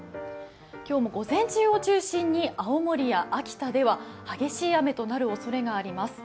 今日も午前中を中心に青森や秋田では激しい雨のおそれがあります。